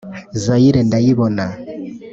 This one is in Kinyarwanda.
Zayire ndayibona